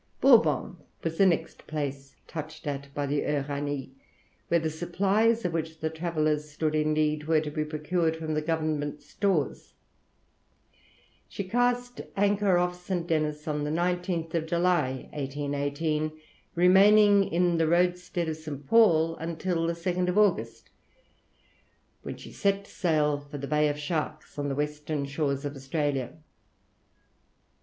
Bourbon was the next place touched at by the Uranie, where the supplies of which the travellers stood in need were to be procured from the government stores. She cast anchor off St. Denis on the 19th July, 1818, remaining in the roadstead of St. Paul until the 2nd August, when she set sail for the Bay of Sharks, on the western shores of Australia.